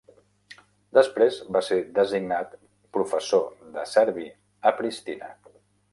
Després va ser designat professor de serbi a Pristina.